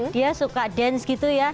dia suka dance gitu ya